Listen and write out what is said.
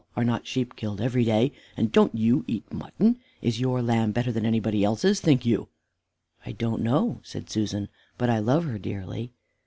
Are not sheep killed every day, and don't you eat mutton? Is your lamb better than anybody else's, think you?" "I don't know," said Susan, "but I love her dearly."